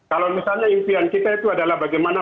kalau misalnya impian kita itu adalah bagaimana